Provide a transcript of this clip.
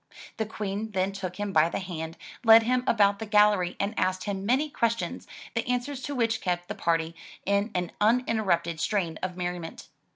The Queen then took him by the hand, led him about the gallery, and asked him many questions, the answers to which kept the party in an uninterrupted strain of merriment.